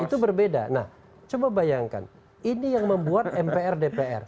itu berbeda nah coba bayangkan ini yang membuat mpr dpr